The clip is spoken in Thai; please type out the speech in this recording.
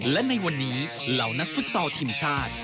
และในวันนี้เหล่านักฟุตซอลทีมชาติ